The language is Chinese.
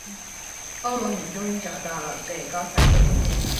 欧罗米终于找到最高隘口精灵。